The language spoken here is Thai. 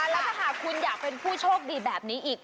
แล้วถ้าหากคุณอยากเป็นผู้โชคดีแบบนี้อีก